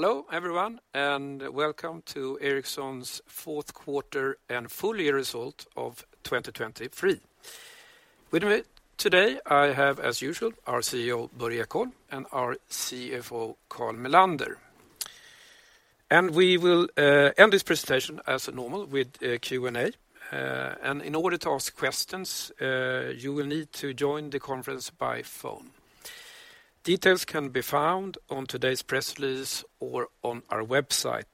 Hello, everyone, and welcome to Ericsson's fourth quarter and full year result of 2023. With me today, I have, as usual, our CEO, Börje Ekholm, and our CFO, Carl Mellander. And we will end this presentation as normal with a Q&A. And in order to ask questions, you will need to join the conference by phone. Details can be found on today's press release or on our website,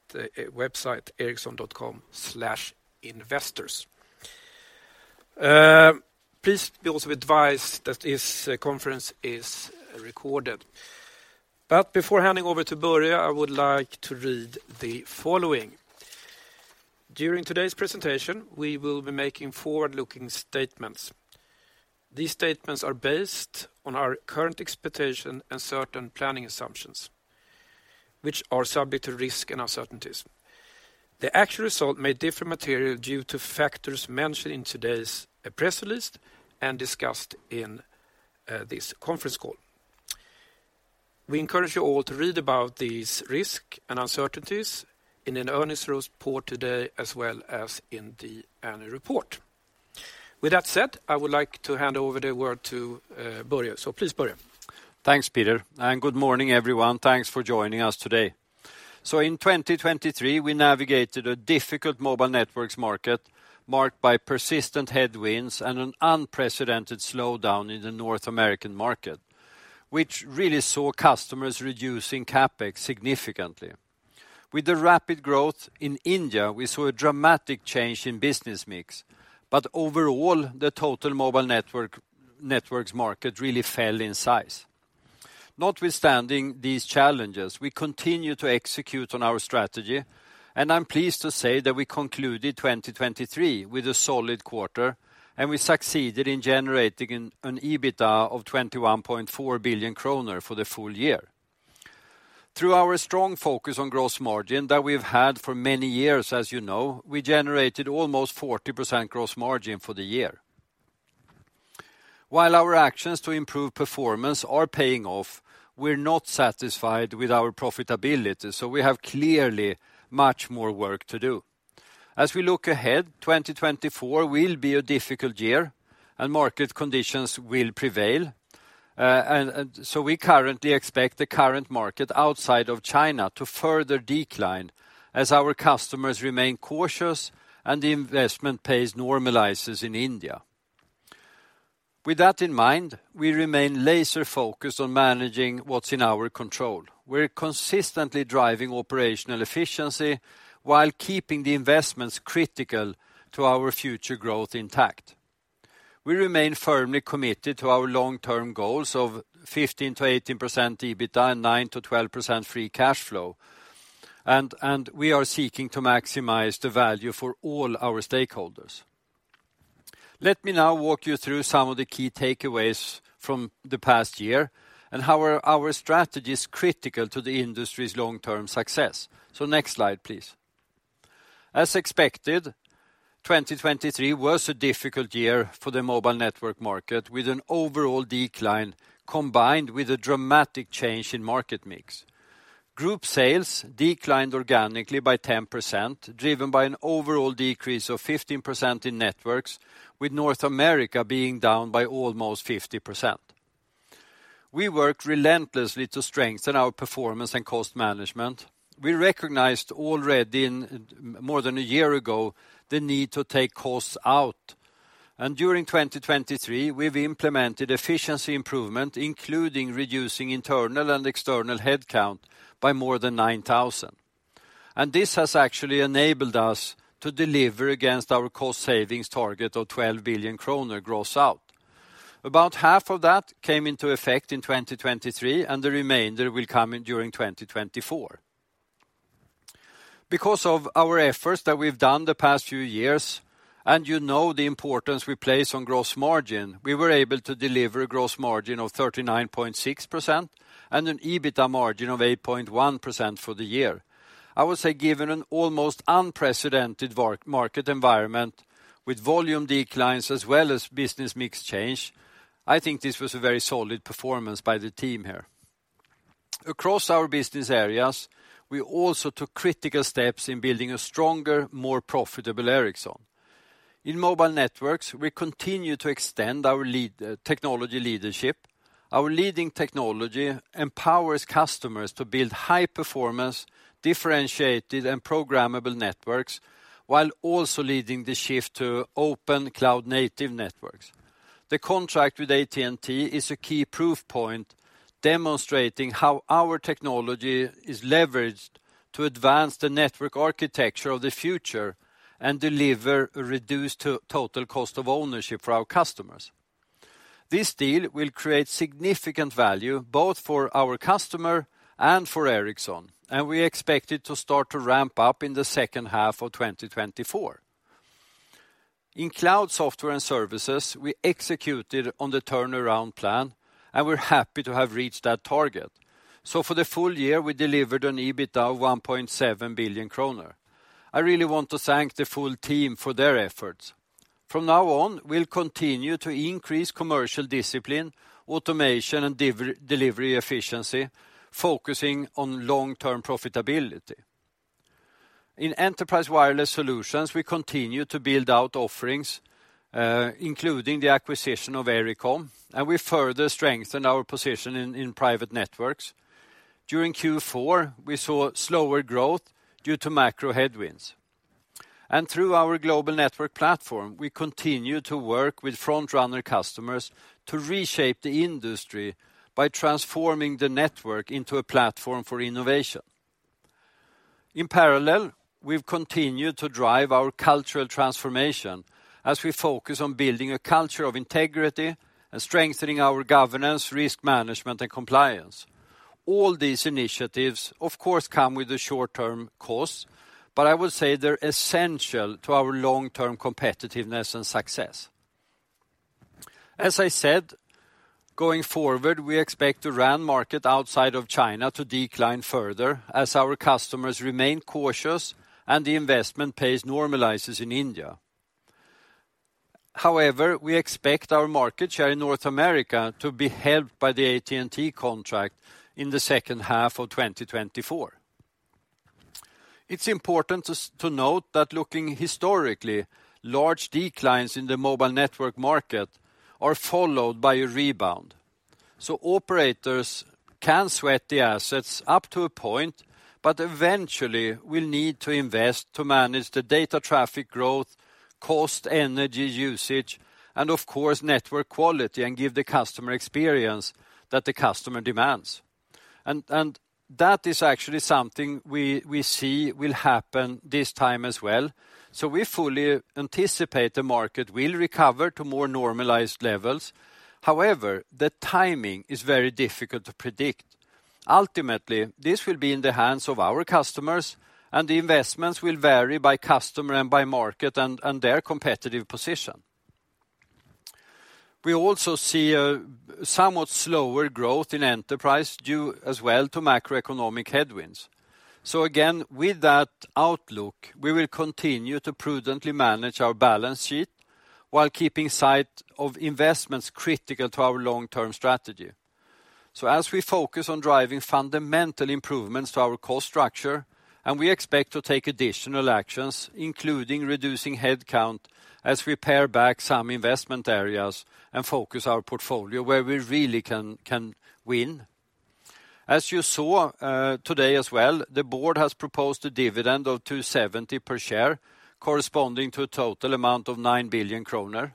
ericsson.com/investors. Please be also advised that this conference is recorded. But before handing over to Börje, I would like to read the following. During today's presentation, we will be making forward-looking statements. These statements are based on our current expectation and certain planning assumptions, which are subject to risk and uncertainties. The actual result may differ materially due to factors mentioned in today's press release and discussed in this conference call. We encourage you all to read about these risks and uncertainties in an earnings report today, as well as in the annual report. With that said, I would like to hand over the word to Börje. So please, Börje. Thanks, Peter, and good morning, everyone. Thanks for joining us today. In 2023, we navigated a difficult mobile etworks market marked by persistent headwinds and an unprecedented slowdown in the North American market, which really saw customers reducing CapEx significantly. With the rapid growth in India, we saw a dramatic change in business mix, but overall, the total mobile network, networks market really fell in size. Notwithstanding these challenges, we continue to execute on our strategy, and I'm pleased to say that we concluded 2023 with a solid quarter, and we succeeded in generating an EBITDA of 21.4 billion kronor for the full year. Through our strong focus on gross margin that we've had for many years, as you know, we generated almost 40% gross margin for the year. While our actions to improve performance are paying off, we're not satisfied with our profitability, so we have clearly much more work to do. As we look ahead, 2024 will be a difficult year, and market conditions will prevail. We currently expect the current market outside of China to further decline as our customers remain cautious and the investment pace normalizes in India. With that in mind, we remain laser focused on managing what's in our control. We're consistently driving operational efficiency while keeping the investments critical to our future growth intact. We remain firmly committed to our long-term goals of 15%-18% EBITDA, and 9%-12% free cash flow, and we are seeking to maximize the value for all our stakeholders. Let me now walk you through some of the key takeaways from the past year and how our, our strategy is critical to the industry's long-term success. Next slide, please. As expected, 2023 was a difficult year for the mobile network market, with an overall decline combined with a dramatic change in market mix. Group sales declined organically by 10%, driven by an overall decrease of 15% in networks, with North America being down by almost 50%. We worked relentlessly to strengthen our performance and cost management. We recognized already in more than a year ago, the need to take costs out, and during 2023, we've implemented efficiency improvement, including reducing internal and external headcount by more than 9,000. This has actually enabled us to deliver against our cost savings target of 12 billion kronor gross out. About half of that came into effect in 2023, and the remainder will come in during 2024. Because of our efforts that we've done the past few years, and you know the importance we place on gross margin, we were able to deliver a gross margin of 39.6% and an EBITDA margin of 8.1% for the year. I would say, given an almost unprecedented market environment with volume declines as well as business mix change, I think this was a very solid performance by the team here. Across our business areas, we also took critical steps in building a stronger, more profitable Ericsson. In mobile networks, we continue to extend our lead, technology leadership. Our leading technology empowers customers to build high-performance, differentiated, and programmable networks, while also leading the shift to open cloud native networks. The contract with AT&T is a key proof point, demonstrating how our technology is leveraged to advance the network architecture of the future and deliver a reduced total cost of ownership for our customers. This deal will create significant value, both for our customer and for Ericsson, and we expect it to start to ramp up in the second half of 2024. In cloud software and services, we executed on the turnaround plan, and we're happy to have reached that target. So for the full year, we delivered an EBITDA of 1.7 billion kronor. I really want to thank the full team for their efforts. From now on, we'll continue to increase commercial discipline, automation, and delivery efficiency, focusing on long-term profitability. In Enterprise Wireless Solutions, we continue to build out offerings, including the acquisition of Ericom, and we further strengthen our position in private networks. During Q4, we saw slower growth due to macro headwinds. Through our Global Network Platform, we continue to work with front-runner customers to reshape the industry by transforming the network into a platform for innovation. In parallel, we've continued to drive our cultural transformation as we focus on building a culture of integrity and strengthening our governance, risk management, and compliance. All these initiatives, of course, come with a short-term cost, but I would say they're essential to our long-term competitiveness and success. As I said, going forward, we expect the RAN market outside of China to decline further as our customers remain cautious and the investment pace normalizes in India. However, we expect our market share in North America to be helped by the AT&T contract in the second half of 2024. It's important to to note that looking historically, large declines in the mobile network market are followed by a rebound. So operators can sweat the assets up to a point, but eventually, we'll need to invest to manage the data traffic growth, cost, energy usage, and of course, network quality, and give the customer experience that the customer demands. And, and that is actually something we, we see will happen this time as well, so we fully anticipate the market will recover to more normalized levels. However, the timing is very difficult to predict. Ultimately, this will be in the hands of our customers, and the investments will vary by customer and by market and, and their competitive position. We also see a somewhat slower growth in enterprise due as well to macroeconomic headwinds. So again, with that outlook, we will continue to prudently manage our balance sheet while keeping sight of investments critical to our long-term strategy. So as we focus on driving fundamental improvements to our cost structure, and we expect to take additional actions, including reducing headcount, as we pare back some investment areas and focus our portfolio where we really can win. As you saw, today as well, the board has proposed a dividend of 270 per share, corresponding to a total amount of 9 billion kronor.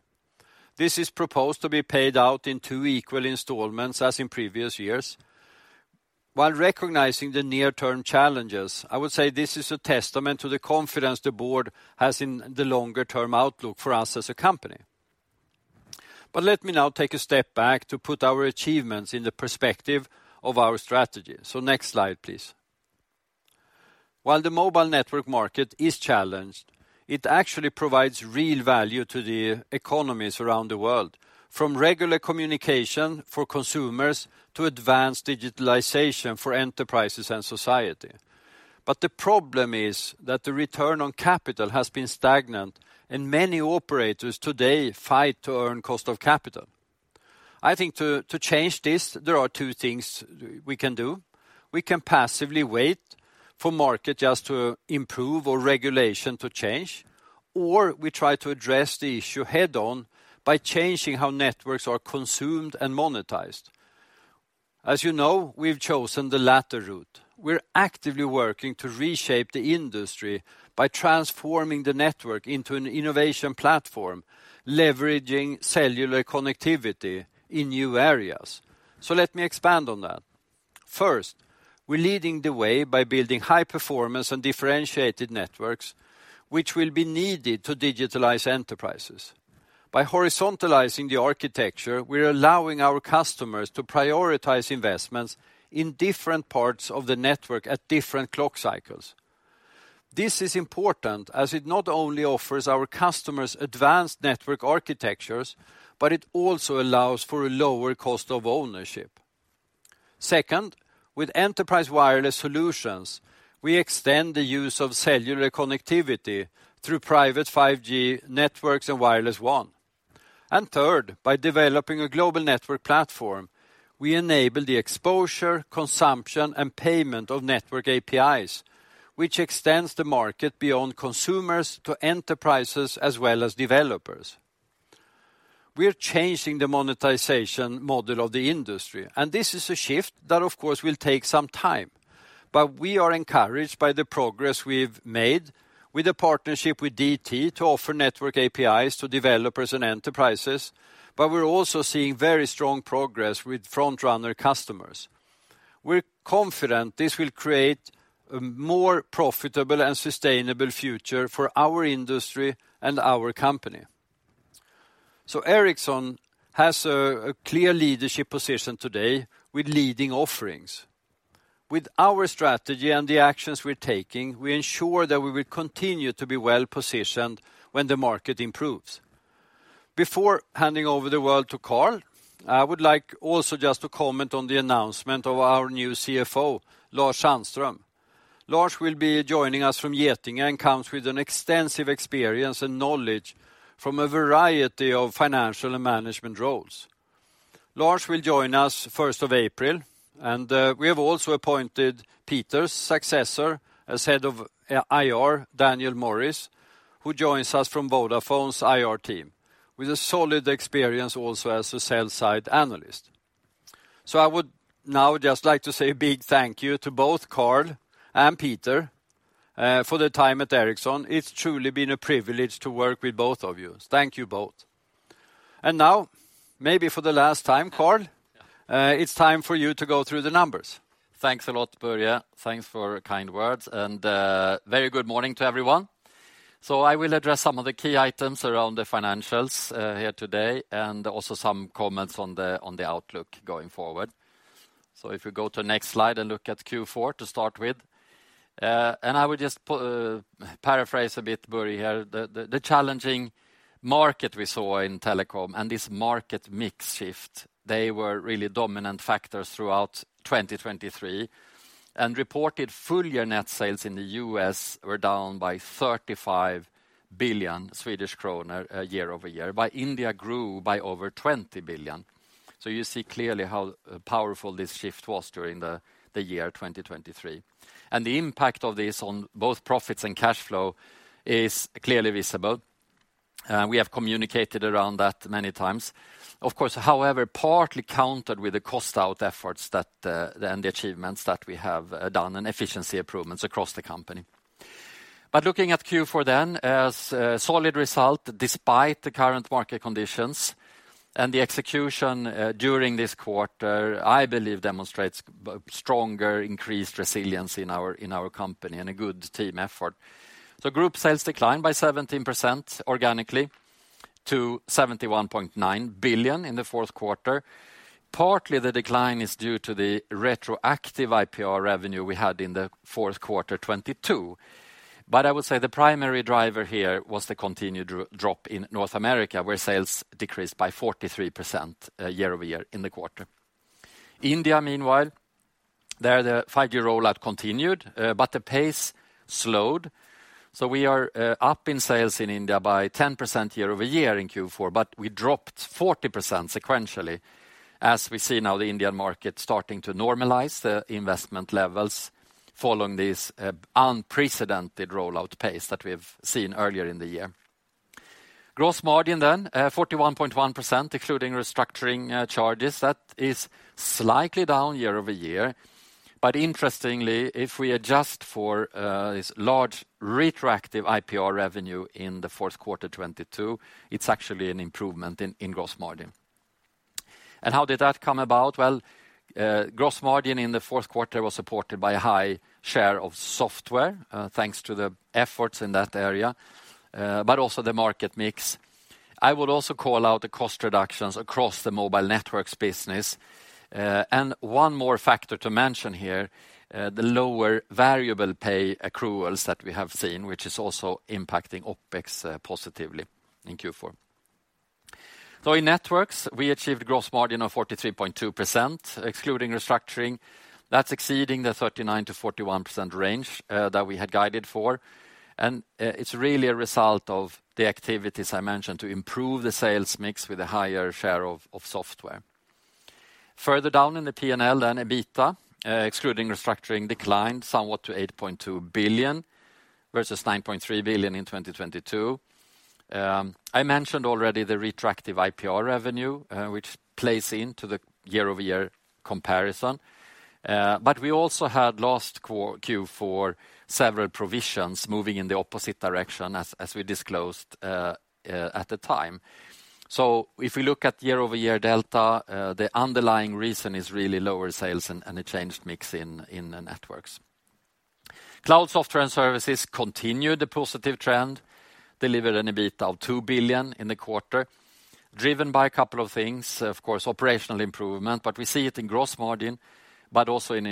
This is proposed to be paid out in two equal installments, as in previous years. While recognizing the near-term challenges, I would say this is a testament to the confidence the board has in the longer-term outlook for us as a company. Let me now take a step back to put our achievements in the perspective of our strategy. So next slide, please. While the mobile network market is challenged, it actually provides real value to the economies around the world, from regular communication for consumers to advanced digitalization for enterprises and society. The problem is that the return on capital has been stagnant, and many operators today fight to earn cost of capital. I think to change this, there are two things we can do. We can passively wait for market just to improve or regulation to change, or we try to address the issue head-on by changing how networks are consumed and monetized. As you know, we've chosen the latter route. We're actively working to reshape the industry by transforming the network into an innovation platform, leveraging cellular connectivity in new areas. So let me expand on that. First, we're leading the way by building high-performance and differentiated networks, which will be needed to digitalize enterprises. By horizontalizing the architecture, we're allowing our customers to prioritize investments in different parts of the network at different clock cycles. This is important as it not only offers our customers advanced network architectures, but it also allows for a lower cost of ownership. Second, with Enterprise Wireless Solutions, we extend the use of cellular connectivity through private 5G networks and Wireless WAN. And third, by developing a Global Network Platform, we enable the exposure, consumption, and payment of network APIs, which extends the market beyond consumers to enterprises as well as developers. We are changing the monetization model of the industry, and this is a shift that, of course, will take some time. But we are encouraged by the progress we've made with a partnership with DT to offer network APIs to developers and enterprises, but we're also seeing very strong progress with front-runner customers. We're confident this will create a more profitable and sustainable future for our industry and our company. So Ericsson has a, a clear leadership position today with leading offerings. With our strategy and the actions we're taking, we ensure that we will continue to be well-positioned when the market improves. Before handing over the word to Carl, I would like also just to comment on the announcement of our new CFO, Lars Sandström. Lars will be joining us from Getinge, and comes with an extensive experience and knowledge from a variety of financial and management roles. Lars will join us first of April, and, we have also appointed Peter's successor as head of, IR, Daniel Morris, who joins us from Vodafone's IR team, with a solid experience also as a sell-side analyst. So I would now just like to say a big thank you to both Carl and Peter, for their time at Ericsson. It's truly been a privilege to work with both of you. Thank you both. And now, maybe for the last time, Carl, it's time for you to go through the numbers. Thanks a lot, Börje. Thanks for kind words, and, very good morning to everyone. So I will address some of the key items around the financials, here today, and also some comments on the outlook going forward. So if you go to next slide and look at Q4 to start with, and I would just paraphrase a bit, Börje, here. The challenging market we saw in telecom and this market mix shift, they were really dominant factors throughout 2023. And reported full year net sales in the U.S. were down by 35 billion Swedish kronor year-over-year, but India grew by over 20 billion. So you see clearly how powerful this shift was during the year 2023. The impact of this on both profits and cash flow is clearly visible, and we have communicated around that many times. Of course, however, partly countered with the cost out efforts that, and the achievements that we have, done, and efficiency improvements across the company. Looking at Q4 then, as a solid result, despite the current market conditions and the execution, during this quarter, I believe demonstrates stronger, increased resilience in our company and a good team effort. Group sales declined by 17% organically to 71.9 billion in the fourth quarter. Partly, the decline is due to the retroactive IPR revenue we had in the fourth quarter 2022. I would say the primary driver here was the continued drop in North America, where sales decreased by 43% year-over-year in the quarter. India, meanwhile, there, the five-year rollout continued, but the pace slowed. So we are up in sales in India by 10% year-over-year in Q4, but we dropped 40% sequentially. As we see now, the Indian market starting to normalize the investment levels following this unprecedented rollout pace that we've seen earlier in the year. Gross margin, then, 41.1%, including restructuring charges. That is slightly down year-over-year. But interestingly, if we adjust for this large retroactive IPR revenue in the fourth quarter 2022, it's actually an improvement in, in gross margin. And how did that come about? Well, gross margin in the fourth quarter was supported by a high share of software, thanks to the efforts in that area, but also the market mix. I would also call out the cost reductions across the mobile Networks business. And one more factor to mention here, the lower variable pay accruals that we have seen, which is also impacting OpEx, positively in Q4. So in Networks, we achieved gross margin of 43.2%, excluding restructuring. That's exceeding the 39%-41% range, that we had guided for. And, it's really a result of the activities I mentioned to improve the sales mix with a higher share of software. Further down in the P&L and EBITDA, excluding restructuring, declined somewhat to 8.2 billion, versus 9.3 billion in 2022. I mentioned already the retrospective IPR revenue, which plays into the year-over-year comparison. But we also had last Q4 several provisions moving in the opposite direction as we disclosed at the time. So if we look at year-over-year delta, the underlying reason is really lower sales and a changed mix in the networks. Cloud software and services continued the positive trend, delivered an EBITDA of 2 billion in the quarter, driven by a couple of things, of course, operational improvement, but we see it in gross margin, but also in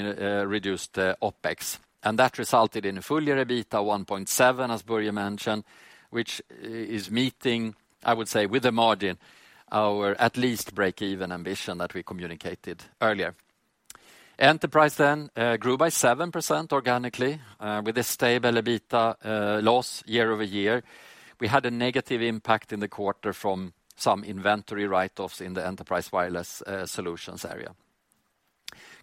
reduced OpEx. And that resulted in a full year EBITDA of 1.7 billion, as Börje mentioned, which is meeting, I would say, with a margin, our at least break-even ambition that we communicated earlier. Enterprise then grew by 7% organically with a stable EBITDA loss year over year. We had a negative impact in the quarter from some inventory write-offs in the Enterprise Wireless Solutions area.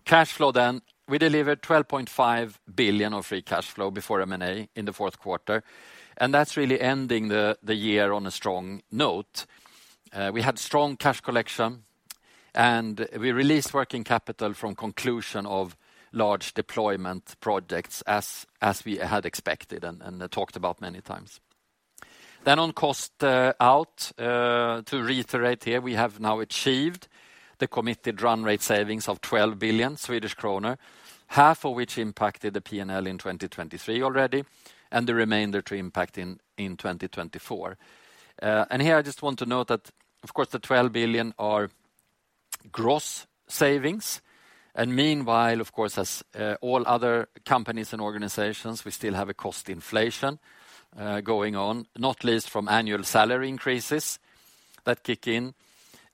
Cash flow then, we delivered 12.5 billion of free cash flow before M&A in the fourth quarter, and that's really ending the year on a strong note. We had strong cash collection, and we released working capital from conclusion of large deployment projects as we had expected and talked about many times. Then on cost out, to reiterate here, we have now achieved the committed run rate savings of 12 billion Swedish kronor, half of which impacted the P&L in 2023 already, and the remainder to impact in 2024. And here, I just want to note that, of course, the 12 billion are gross savings. And meanwhile, of course, as all other companies and organizations, we still have a cost inflation going on, not least from annual salary increases that kick in.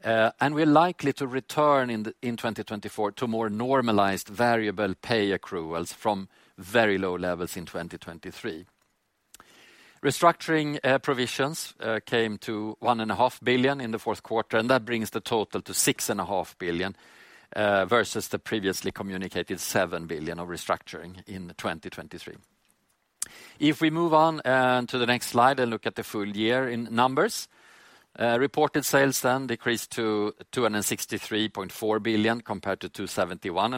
And we're likely to return in 2024 to more normalized variable pay accruals from very low levels in 2023. Restructuring provisions came to 1.5 billion in the fourth quarter, and that brings the total to 6.5 billion versus the previously communicated 7 billion of restructuring in 2023. If we move on to the next slide and look at the full year in numbers, reported sales then decreased to 263.4 billion, compared to 271.5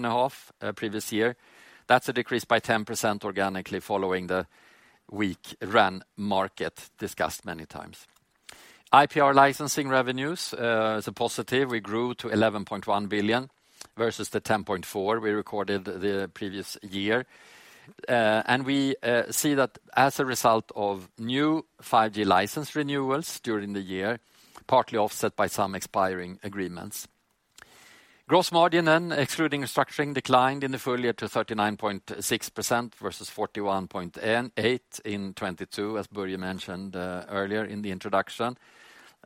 billion previous year. That's a decrease by 10% organically following the weak RAN market, discussed many times. IPR licensing revenues is a positive. We grew to 11.1 billion, versus the 10.4 billion we recorded the previous year. And we see that as a result of new 5G license renewals during the year, partly offset by some expiring agreements. Gross margin then, excluding restructuring, declined in the full year to 39.6% versus 41.8% in 2022, as Börje mentioned earlier in the introduction.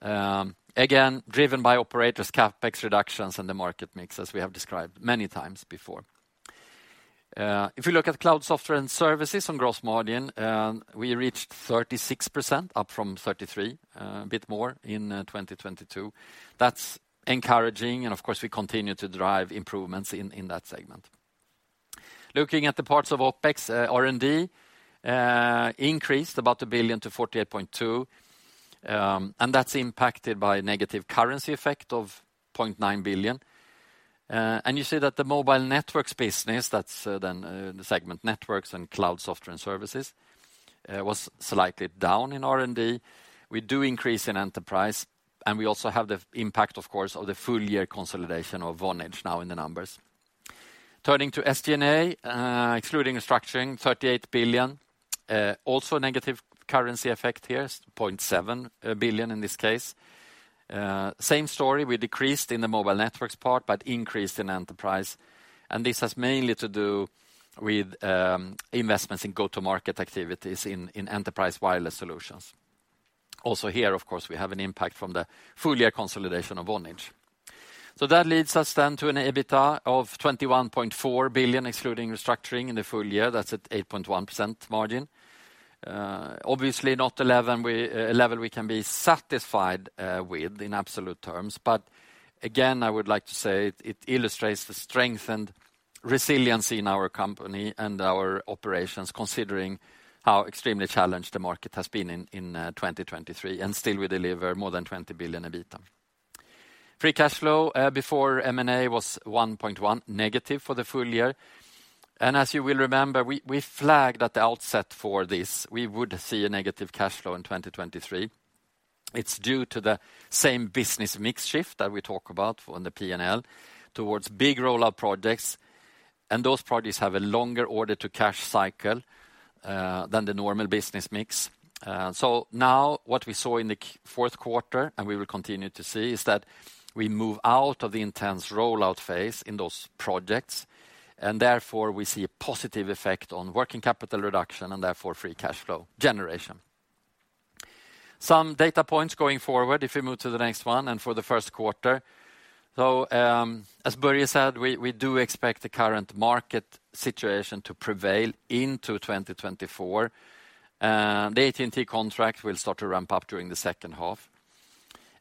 Again, driven by operators' CapEx reductions and the market mix, as we have described many times before. If you look at cloud software and services on gross margin, we reached 36%, up from 33%, a bit more in 2022. That's encouraging, and of course, we continue to drive improvements in that segment. Looking at the parts of OpEx, R&D increased about 1 billion to 48.2 billion. That's impacted by negative currency effect of 0.9 billion. You see that the mobile networks business, that's then the segment Networks and Cloud Software and Services, was slightly down in R&D. We do increase in enterprise, and we also have the impact, of course, of the full-year consolidation of Vonage now in the numbers. Turning to SG&A, excluding restructuring, 38 billion. Also negative currency effect here, 0.7 billion in this case. Same story, we decreased in the mobile networks part, but increased in enterprise, and this has mainly to do with investments in go-to-market activities in enterprise wireless solutions. Also here, of course, we have an impact from the full-year consolidation of Vonage. That leads us then to an EBITDA of 21.4 billion, excluding restructuring in the full year, that's at 8.1% margin. Obviously not 11%—a level we can be satisfied with in absolute terms, but again, I would like to say it, it illustrates the strength and resiliency in our company and our operations, considering how extremely challenged the market has been in 2023, and still we deliver more than 20 billion in EBITDA. Free cash flow before M&A was -1.1 billion for the full year. And as you will remember, we flagged at the outset for this, we would see a negative cash flow in 2023. It's due to the same business mix shift that we talk about on the P&L towards big rollout projects, and those projects have a longer order-to-cash cycle than the normal business mix. So now what we saw in the fourth quarter, and we will continue to see, is that we move out of the intense rollout phase in those projects, and therefore, we see a positive effect on working capital reduction and therefore, free cash flow generation. Some data points going forward, if we move to the next one, and for the first quarter. So, as Börje said, we, we do expect the current market situation to prevail into 2024. The AT&T contract will start to ramp up during the second half.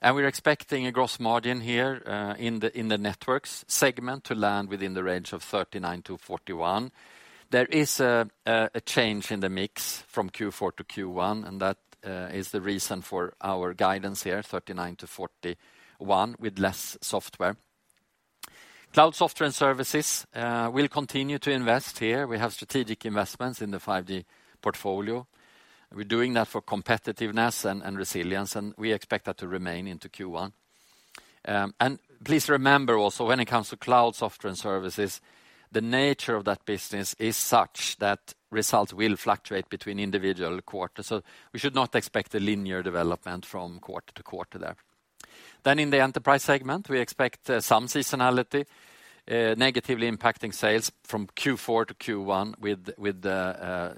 And we're expecting a gross margin here in the Networks segment to land within the range of 39%-41%. There is a change in the mix from Q4 to Q1, and that is the reason for our guidance here, 39%-41%, with less software. Cloud and Software and Services, we'll continue to invest here. We have strategic investments in the 5G portfolio. We're doing that for competitiveness and resilience, and we expect that to remain into Q1. And please remember also, when it comes to Cloud and Software and Services, the nature of that business is such that results will fluctuate between individual quarters. So we should not expect a linear development from quarter to quarter there. Then in the enterprise segment, we expect some seasonality negatively impacting sales from Q4 to Q1 with the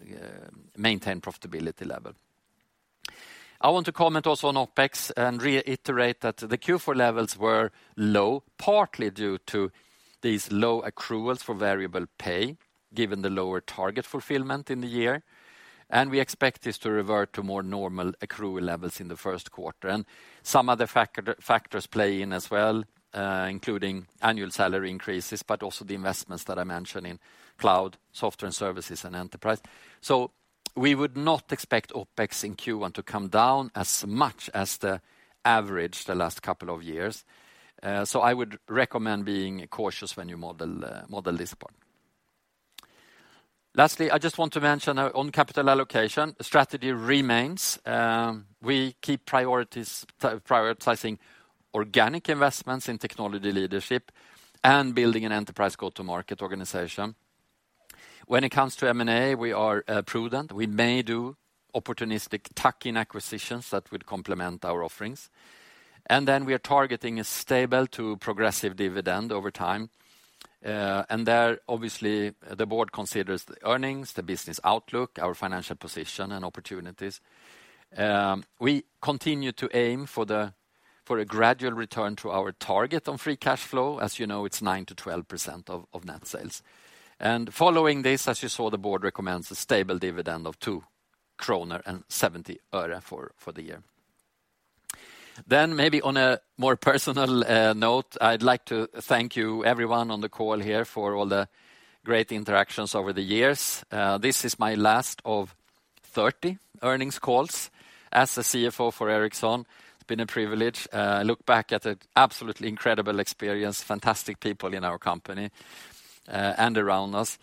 maintained profitability level. I want to comment also on OpEx and reiterate that the Q4 levels were low, partly due to these low accruals for variable pay, given the lower target fulfillment in the year, and we expect this to revert to more normal accrual levels in the first quarter. Some other factors play in as well, including annual salary increases, but also the investments that I mentioned in cloud, software and services, and enterprise. So we would not expect OpEx in Q1 to come down as much as the average the last couple of years. So I would recommend being cautious when you model this part. Lastly, I just want to mention on capital allocation, the strategy remains, we keep priorities, prioritizing organic investments in technology leadership and building an enterprise go-to-market organization. When it comes to M&A, we are prudent. We may do opportunistic tuck-in acquisitions that would complement our offerings. And then we are targeting a stable to progressive dividend over time. And there, obviously, the board considers the earnings, the business outlook, our financial position, and opportunities. We continue to aim for a gradual return to our target on free cash flow. As you know, it's 9%-12% of net sales. And following this, as you saw, the board recommends a stable dividend of SEK 2.70 for the year. Then maybe on a more personal note, I'd like to thank you everyone on the call here for all the great interactions over the years. This is my last of 30 earnings calls as the CFO for Ericsson. It's been a privilege. I look back at an absolutely incredible experience, fantastic people in our company, and around us.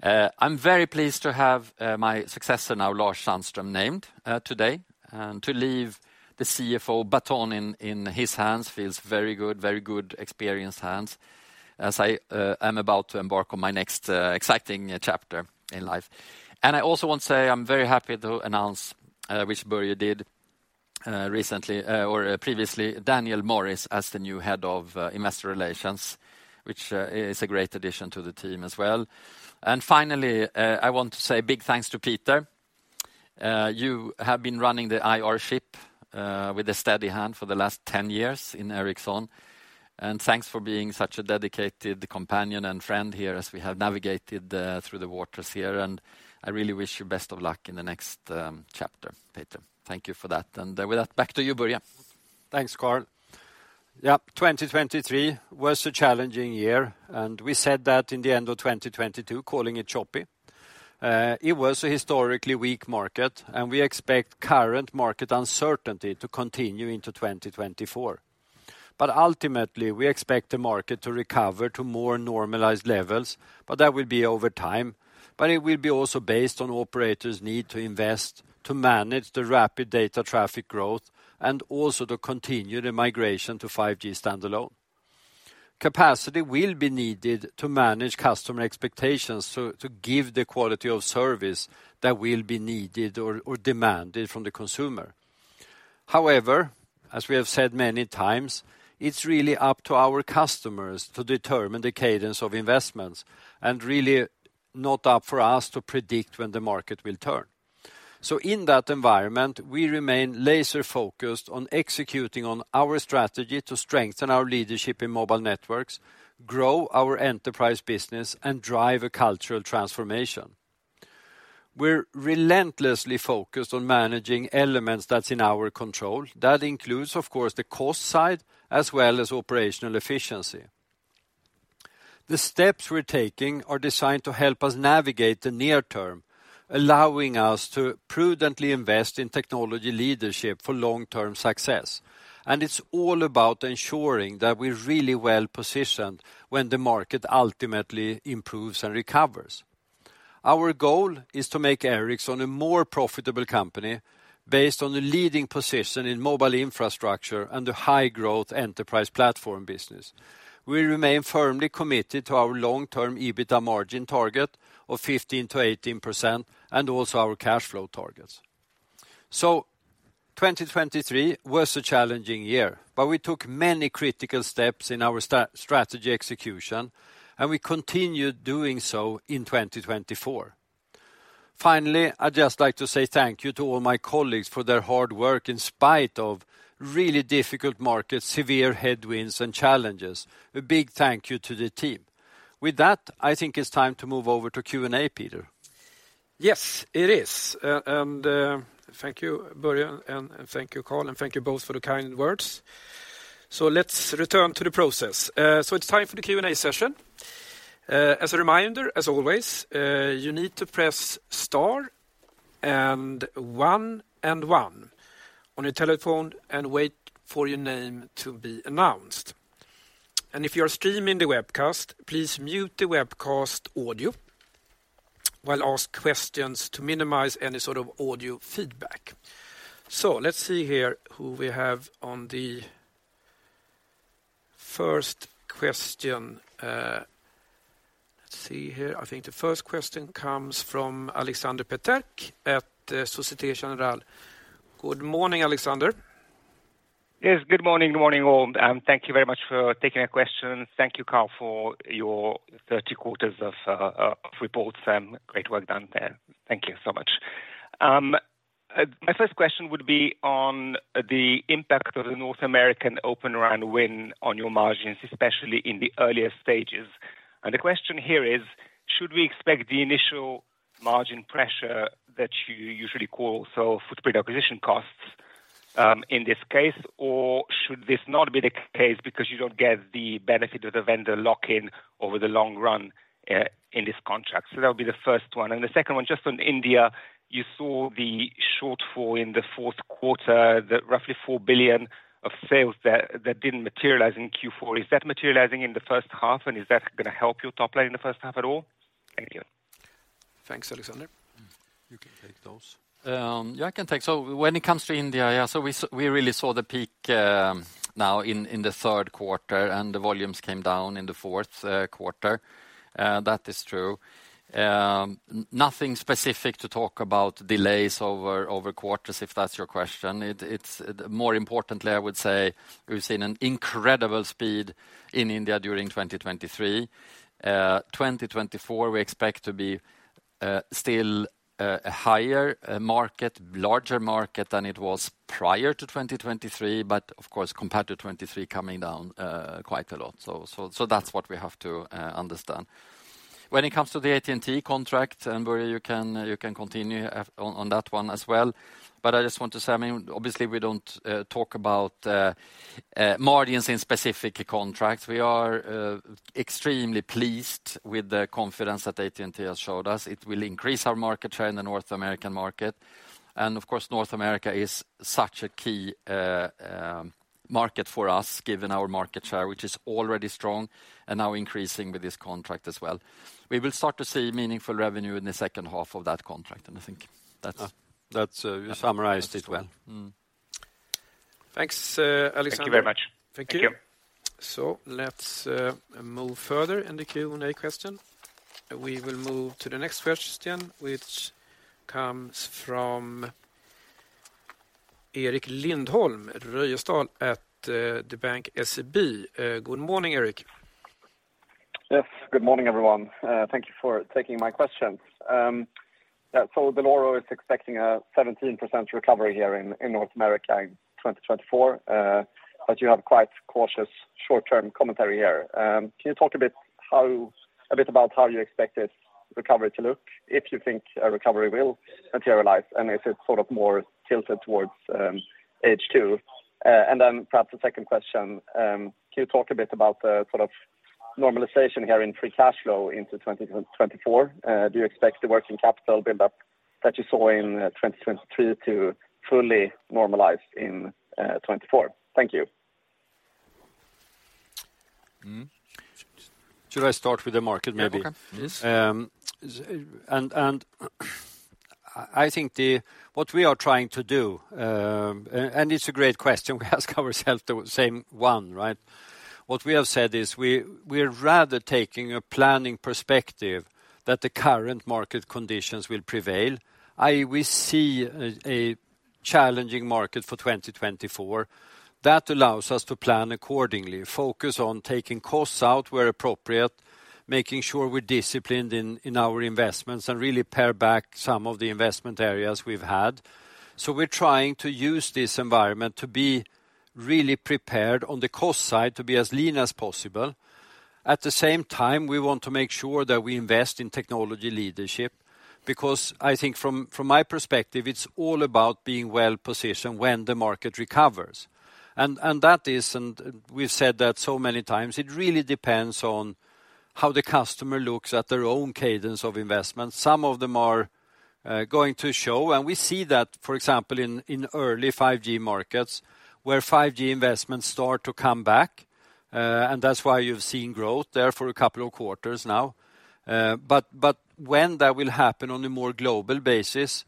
I'm very pleased to have my successor now, Lars Sandström, named today, and to leave the CFO baton in, in his hands feels very good, very good, experienced hands, as I am about to embark on my next exciting chapter in life. I also want to say, I'm very happy to announce, which Börje did recently or previously, Daniel Morris as the new head of investor relations, which is a great addition to the team as well. And finally, I want to say big thanks to Peter. You have been running the IR ship with a steady hand for the last 10 years in Ericsson, and thanks for being such a dedicated companion and friend here as we have navigated through the waters here, and I really wish you best of luck in the next chapter, Peter. Thank you for that, and with that, back to you, Börje. Thanks, Carl. Yep, 2023 was a challenging year, and we said that in the end of 2022, calling it choppy. It was a historically weak market, and we expect current market uncertainty to continue into 2024. But ultimately, we expect the market to recover to more normalized levels, but that will be over time, but it will be also based on operators' need to invest to manage the rapid data traffic growth and also to continue the migration to 5G standalone. Capacity will be needed to manage customer expectations, so to give the quality of service that will be needed or, or demanded from the consumer. However, as we have said many times, it's really up to our customers to determine the cadence of investments, and really not up for us to predict when the market will turn. In that environment, we remain laser focused on executing on our strategy to strengthen our leadership in mobile networks, grow our enterprise business, and drive a cultural transformation. We're relentlessly focused on managing elements that's in our control. That includes, of course, the cost side, as well as operational efficiency. The steps we're taking are designed to help us navigate the near term, allowing us to prudently invest in technology leadership for long-term success. It's all about ensuring that we're really well positioned when the market ultimately improves and recovers. Our goal is to make Ericsson a more profitable company based on the leading position in mobile infrastructure and the high-growth enterprise platform business. We remain firmly committed to our long-term EBITDA margin target of 15%-18%, and also our cash flow targets. 2023 was a challenging year, but we took many critical steps in our strategy execution, and we continued doing so in 2024. Finally, I'd just like to say thank you to all my colleagues for their hard work in spite of really difficult markets, severe headwinds, and challenges. A big thank you to the team. With that, I think it's time to move over to Q&A, Peter. Yes, it is. And thank you, Börje, and thank you, Carl, and thank you both for the kind words. So let's return to the process. So it's time for the Q&A session. As a reminder, as always, you need to press star and one and one on your telephone and wait for your name to be announced. And if you are streaming the webcast, please mute the webcast audio while ask questions to minimize any sort of audio feedback. So let's see here who we have on the first question. Let's see here. I think the first question comes from Alexander Peterc at Société Générale. Good morning, Alexander. Yes, good morning, good morning, all, and thank you very much for taking the question. Thank you, Carl, for your 30 quarters of reports and great work done there. Thank you so much. My first question would be on the impact of the North American Open RAN win on your margins, especially in the earlier stages. And the question here is: should we expect the initial margin pressure that you usually call, so footprint acquisition costs, in this case, or should this not be the case because you don't get the benefit of the vendor lock-in over the long run, in this contract? So that'll be the first one. And the second one, just on India, you saw the shortfall in the fourth quarter, the roughly 4 billion of sales that didn't materialize in Q4. Is that materializing in the first half, and is that gonna help your top line in the first half at all? Thank you. Thanks, Alexander.... You can take those? Yeah, I can take. So when it comes to India, yeah, so we really saw the peak now in the third quarter, and the volumes came down in the fourth quarter. That is true. Nothing specific to talk about delays over quarters, if that's your question. It's more importantly, I would say we've seen an incredible speed in India during 2023. 2024, we expect to be still a higher, larger market than it was prior to 2023, but of course, compared to 2023, coming down quite a lot. So that's what we have to understand. When it comes to the AT&T contract, and Börje, you can continue on that one as well, but I just want to say, I mean, obviously we don't talk about margins in specific contracts. We are extremely pleased with the confidence that AT&T has showed us. It will increase our market share in the North American market. And of course, North America is such a key market for us, given our market share, which is already strong and now increasing with this contract as well. We will start to see meaningful revenue in the second half of that contract, and I think that's- That's, uh- I summarized it well. Thanks, Alexander. Thank you very much. Thank you. Thank you. So let's move further in the Q&A question. We will move to the next question, which comes from Erik Lindholm at SEB, the bank SEB. Good morning, Eric. Yes, good morning, everyone. Thank you for taking my questions. Yeah, so the Dell'Oro is expecting a 17% recovery here in North America in 2024, but you have quite cautious short-term commentary here. Can you talk a bit about how you expect this recovery to look, if you think a recovery will materialize, and if it's sort of more tilted towards H2? And then perhaps the second question, can you talk a bit about the sort of normalization here in free cash flow into 2024? Do you expect the working capital build-up that you saw in 2023 to fully normalize in 2024? Thank you. Mm. Should I start with the market maybe? Yeah, okay. Please. I think what we are trying to do, and it's a great question. We ask ourselves the same one, right? What we have said is we're rather taking a planning perspective that the current market conditions will prevail. We see a challenging market for 2024. That allows us to plan accordingly, focus on taking costs out where appropriate, making sure we're disciplined in our investments, and really pare back some of the investment areas we've had. So we're trying to use this environment to be really prepared on the cost side, to be as lean as possible. At the same time, we want to make sure that we invest in technology leadership, because I think from my perspective, it's all about being well-positioned when the market recovers. We've said that so many times, it really depends on how the customer looks at their own cadence of investment. Some of them are going to show, and we see that, for example, in early 5G markets, where 5G investments start to come back, and that's why you've seen growth there for a couple of quarters now. But when that will happen on a more global basis,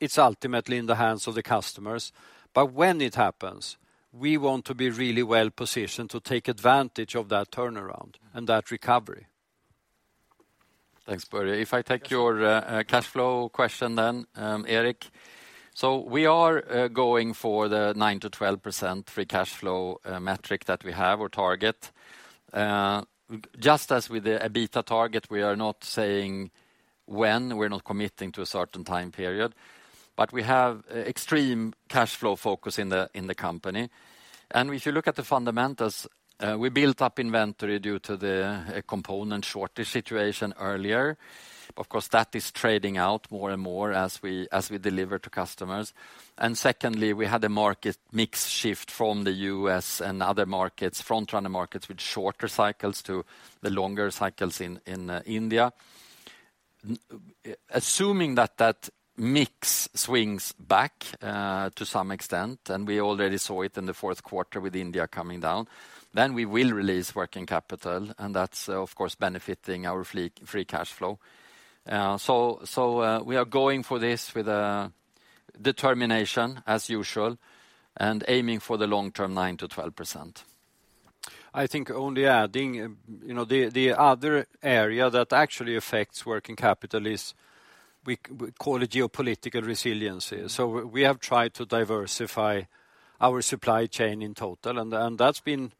it's ultimately in the hands of the customers. But when it happens, we want to be really well-positioned to take advantage of that turnaround and that recovery. Thanks, Börje. If I take your cash flow question then, Eric. So we are going for the 9%-12% free cash flow metric that we have, or target. Just as with the EBITDA target, we are not saying when, we're not committing to a certain time period, but we have extreme cash flow focus in the company. And if you look at the fundamentals, we built up inventory due to the component shortage situation earlier. Of course, that is trading out more and more as we deliver to customers. And secondly, we had a market mix shift from the US and other markets, front-runner markets with shorter cycles to the longer cycles in India. Assuming that that mix swings back to some extent, and we already saw it in the fourth quarter with India coming down, then we will release working capital, and that's, of course, benefiting our free cash flow. So, so, we are going for this with determination, as usual, and aiming for the long-term 9%-12%. I think only adding, you know, the other area that actually affects working capital is we call it geopolitical resiliency. So we have tried to diversify our supply chain in total, and that's been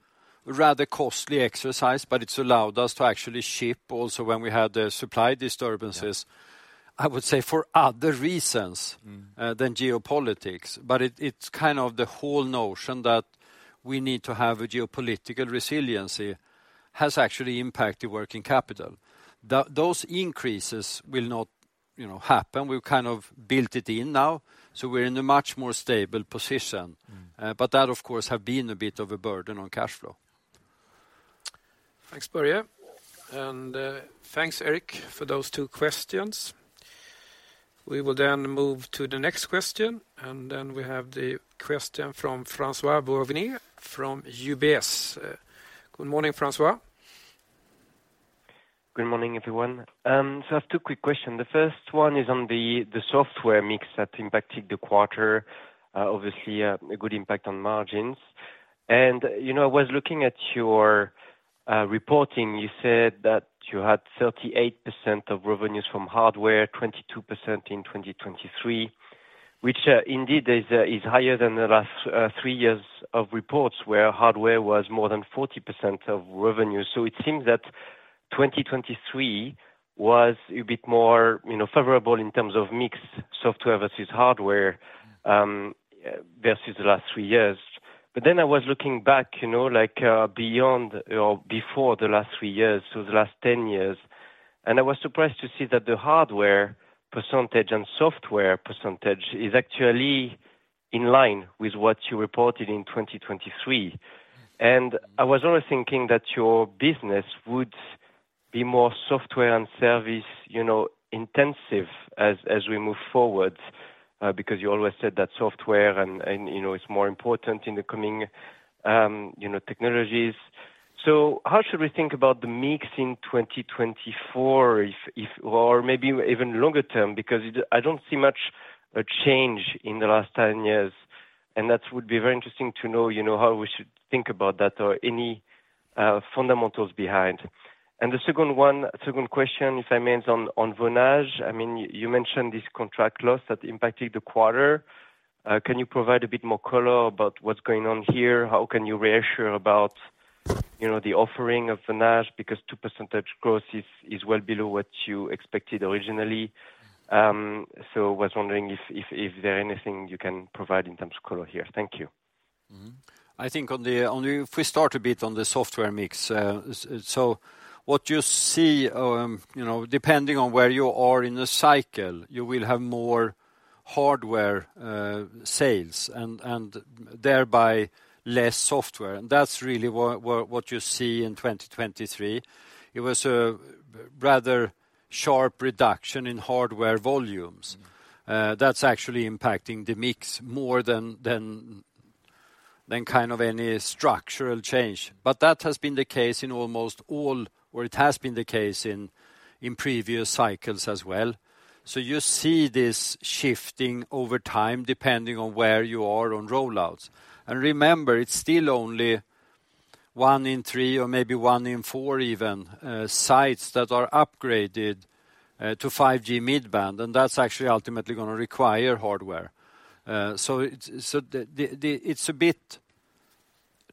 a rather costly exercise, but it's allowed us to actually ship also when we had the supply disturbances- Yeah... I would say, for other reasons- Mm... than geopolitics. But it, it's kind of the whole notion that we need to have a geopolitical resiliency, has actually impacted working capital. Those increases will not, you know, happen. We've kind of built it in now, so we're in a much more stable position. Mm. But that, of course, have been a bit of a burden on cash flow. Thanks, Börje. And, thanks, Eric, for those two questions. We will then move to the next question, and then we have the question from Francois Bouvignies from UBS. Good morning, Francois.... Good morning, everyone. So I have two quick questions. The first one is on the software mix that impacted the quarter. Obviously, a good impact on margins. And, you know, I was looking at your reporting. You said that you had 38% of revenues from hardware, 22% in 2023, which, indeed, is higher than the last three years of reports, where hardware was more than 40% of revenue. So it seems that 2023 was a bit more, you know, favorable in terms of mix, software versus hardware, versus the last three years. But then I was looking back, you know, like, beyond or before the last three years, so the last 10 years, and I was surprised to see that the hardware percentage and software percentage is actually in line with what you reported in 2023. And I was always thinking that your business would be more software and service, you know, intensive as we move forward, because you always said that software and you know, it's more important in the coming technologies. So how should we think about the mix in 2024 if or maybe even longer term? Because I don't see much a change in the last 10 years, and that would be very interesting to know, you know, how we should think about that or any fundamentals behind. And the second one, second question, if I may, is on Vonage. I mean, you mentioned this contract loss that impacted the quarter. Can you provide a bit more color about what's going on here? How can you reassure about, you know, the offering of Vonage, because 2% growth is well below what you expected originally. So I was wondering if there's anything you can provide in terms of color here. Thank you. Mm-hmm. I think on the—if we start a bit on the software mix, so what you see, you know, depending on where you are in the cycle, you will have more hardware sales and thereby less software, and that's really what you see in 2023. It was a rather sharp reduction in hardware volumes. Mm-hmm. That's actually impacting the mix more than kind of any structural change. But that has been the case in almost all... Or it has been the case in previous cycles as well. So you see this shifting over time, depending on where you are on rollouts. And remember, it's still only one in three, or maybe one in four even, sites that are upgraded to 5G mid-band, and that's actually ultimately gonna require hardware. So it's the, it's a bit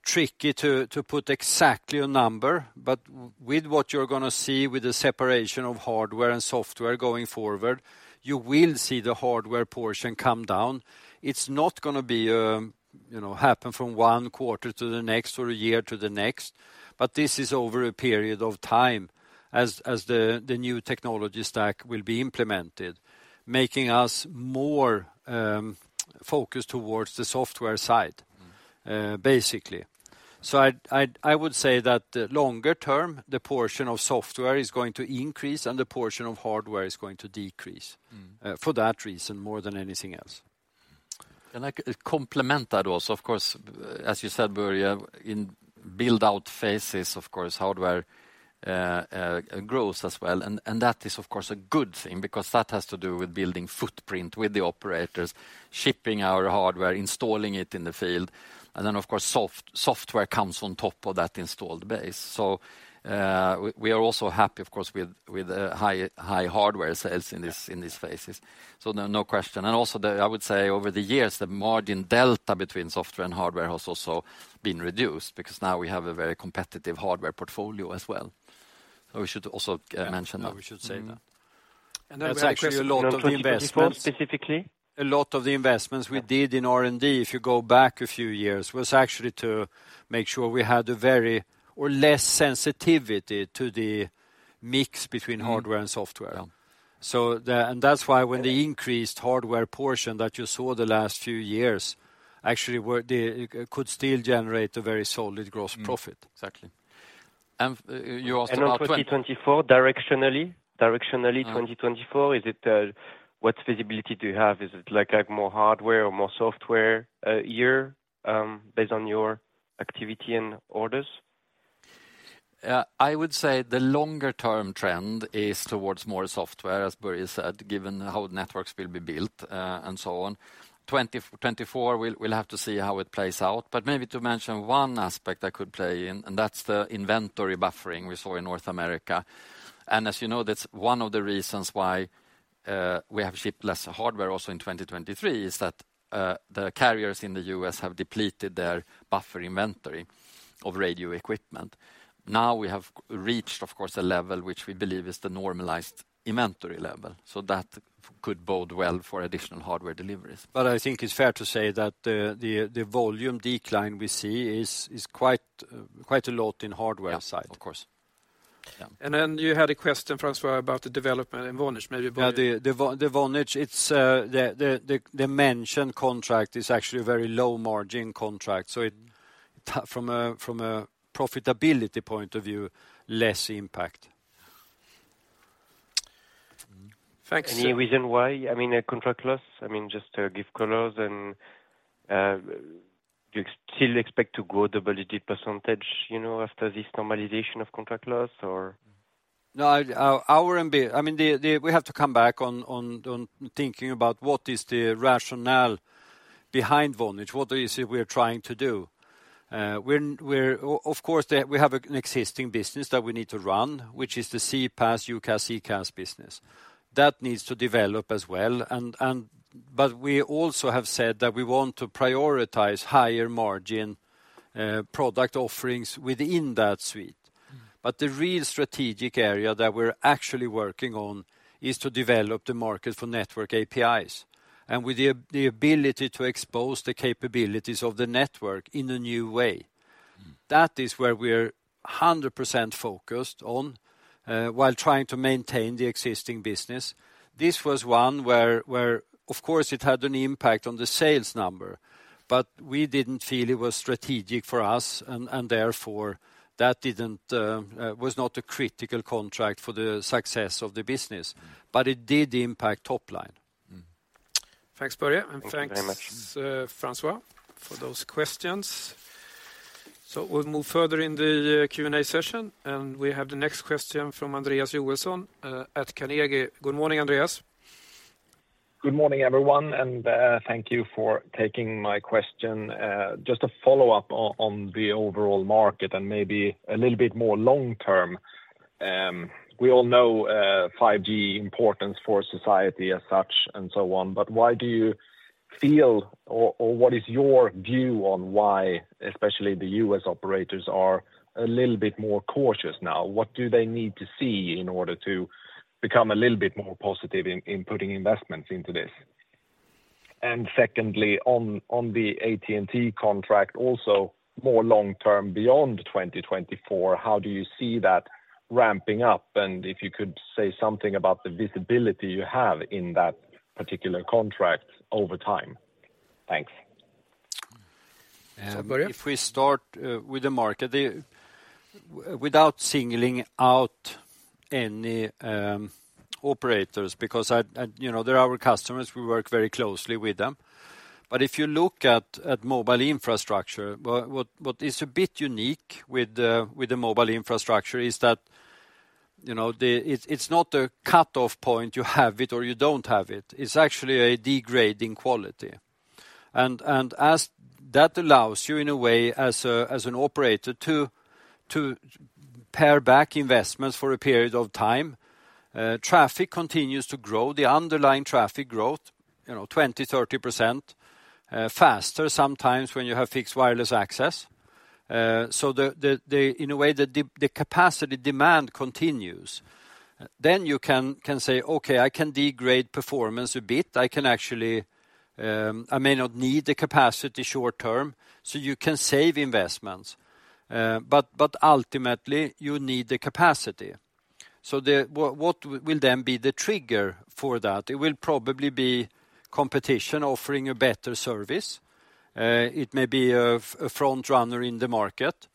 tricky to put exactly a number, but with what you're gonna see with the separation of hardware and software going forward, you will see the hardware portion come down. It's not gonna be, you know, happen from one quarter to the next or a year to the next, but this is over a period of time as the new technology stack will be implemented, making us more focused towards the software side- Mm-hmm... basically. So I'd, I would say that longer term, the portion of software is going to increase, and the portion of hardware is going to decrease- Mm-hmm... for that reason, more than anything else. I complement that also, of course, as you said, Börje, in build-out phases, of course, hardware grows as well. And that is, of course, a good thing because that has to do with building footprint with the operators, shipping our hardware, installing it in the field. And then, of course, software comes on top of that installed base. So, we are also happy, of course, with high hardware sales in this- Yeah... in these phases. So no, no question. And also, I would say, over the years, the margin delta between software and hardware has also been reduced, because now we have a very competitive hardware portfolio as well. So we should also mention that. Yeah, we should say that. Mm-hmm. And then actually a lot of the investments- Specifically? A lot of the investments we did in R&D, if you go back a few years, was actually to make sure we had a very or less sensitivity to the mix between hardware- Mm-hmm... and software. Yeah. So, and that's why when the increased hardware portion that you saw the last few years actually were the... could still generate a very solid gross profit. Mm-hmm. Exactly. And you asked about 20- On 2024, directionally, directionally 2024- Uh... is it, what visibility do you have? Is it like a more hardware or more software, year, based on your activity and orders? I would say the longer term trend is towards more software, as Börje said, given how networks will be built, and so on. 2024, we'll, we'll have to see how it plays out. But maybe to mention one aspect that could play in, and that's the inventory buffering we saw in North America. And as you know, that's one of the reasons why, we have shipped less hardware also in 2023, is that, the carriers in the US have depleted their buffer inventory of radio equipment. Now, we have reached, of course, a level which we believe is the normalized inventory level. So that could bode well for additional hardware deliveries. But I think it's fair to say that the volume decline we see is quite a lot in hardware side. Yeah. Of course, yeah. Then you had a question, Francois, about the development in Vonage, maybe you buy- Yeah, the Vonage, it's the mentioned contract is actually a very low-margin contract, so it from a profitability point of view, less impact.... Any reason why? I mean, a contract loss, I mean, just to give colors and, you still expect to grow double-digit percentage, you know, after this normalization of contract loss or? No, I mean, we have to come back on thinking about what is the rationale behind Vonage? What is it we are trying to do? Of course, we have an existing business that we need to run, which is the CPaaS, UCaaS, CPaaS business. That needs to develop as well. But we also have said that we want to prioritize higher margin product offerings within that suite. But the real strategic area that we're actually working on is to develop the market for network APIs, and with the ability to expose the capabilities of the network in a new way. That is where we're 100% focused on, while trying to maintain the existing business. This was one where, of course, it had an impact on the sales number, but we didn't feel it was strategic for us, and therefore, that was not a critical contract for the success of the business, but it did impact top line. Thanks, Börje. Thank you very much. And thanks, Francois, for those questions. So we'll move further in the Q&A session, and we have the next question from Andreas Joelsson at Carnegie. Good morning, Andreas. Good morning, everyone, and, thank you for taking my question. Just a follow-up on, on the overall market and maybe a little bit more long term. We all know, 5G importance for society as such and so on, but why do you feel, or, or what is your view on why, especially the U.S. operators are a little bit more cautious now? What do they need to see in order to become a little bit more positive in, in putting investments into this? And secondly, on, on the AT&T contract, also, more long term, beyond 2024, how do you see that ramping up? And if you could say something about the visibility you have in that particular contract over time. Thanks. So, Börje? If we start with the market, without singling out any operators, because I—you know, they're our customers, we work very closely with them. But if you look at mobile infrastructure, what is a bit unique with the mobile infrastructure is that, you know, it's not a cut-off point, you have it or you don't have it. It's actually a degrading quality. And as that allows you, in a way, as an operator, to pare back investments for a period of time, traffic continues to grow, the underlying traffic growth, you know, 20, 30%, faster sometimes when you have fixed wireless access. So in a way, the capacity demand continues. Then you can say, "Okay, I can degrade performance a bit. I can actually, I may not need the capacity short term, so you can save investments. But ultimately, you need the capacity. So what will then be the trigger for that? It will probably be competition offering a better service. It may be a front runner in the market